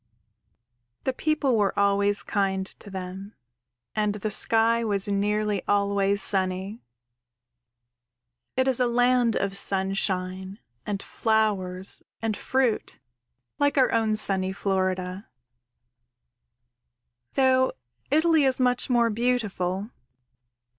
_ _The people were always kind to them and the sky was nearly always sunny. It is a land of sunshine and flowers and fruit, like our own sunny Florida, though Italy is much more beautiful.